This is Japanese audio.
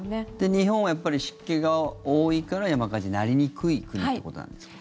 日本はやっぱり湿気が多いから山火事になりにくい国ということなんですか。